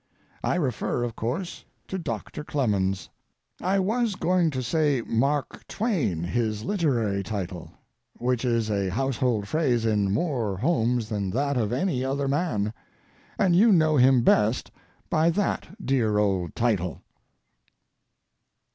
I refer, of course, to Doctor Clemens. I was going to say Mark Twain, his literary title, which is a household phrase in more homes than that of any other man, and you know him best by that dear old title."